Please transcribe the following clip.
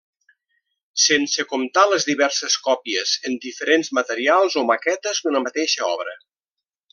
Sense comptar les diverses còpies en diferents materials o maquetes d'una mateixa obra.